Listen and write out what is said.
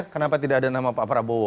kenapa tidak ada nama pak prabowo